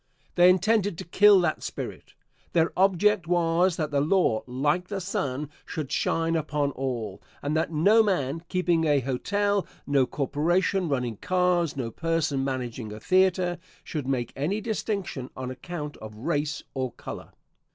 They intended to kill that spirit. Their object was that the law, like the sun, should shine upon all, and that no man keeping a hotel, no corporation running cars, no person managing a theatre should make any distinction on account of race or color.